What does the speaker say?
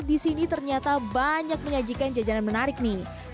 di sini ternyata banyak menyajikan jajanan menarik nih